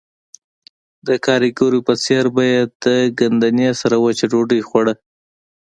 د ګاریګرو په څېر به یې د ګندنې سره وچه ډوډۍ خوړه